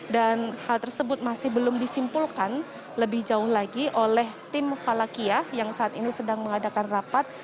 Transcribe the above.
dan hal tersebut masih belum disimpulkan lebih jauh lagi oleh tim falekiah yang saat ini sedang mengadakan rapat